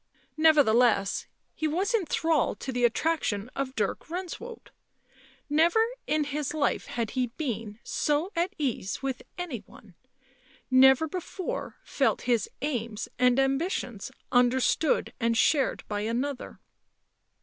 Nevertheless, he was in thrall to the attraction of Dirk Renswoude ; never in his life had he been so at ease with any one, never before felt his aims 1 and ambitions understood and shared by another.